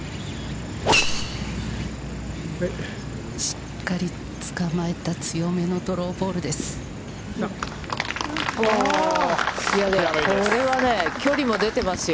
しっかりつかまえた強めのドローボールです。